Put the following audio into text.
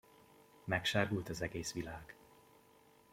Megsárgult az egész világ!